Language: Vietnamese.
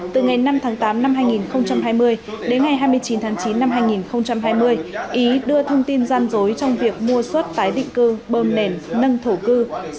từ ngày năm tháng tám năm hai nghìn hai mươi đến ngày hai mươi chín tháng chín năm hai nghìn hai mươi ý đưa thông tin gian dối trong việc mua suất tái định cư bơm nền nâng thổ cư